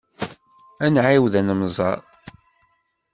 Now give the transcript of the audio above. Ad nɛawed ad nemẓer.